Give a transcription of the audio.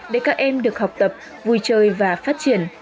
để các em được học tập vui chơi và phát triển